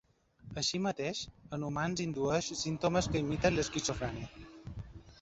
Així mateix, en humans indueix símptomes que imiten l'esquizofrènia.